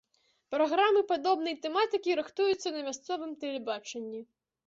Праграмы падобнай тэматыкі рыхтуюцца на мясцовым тэлебачанні.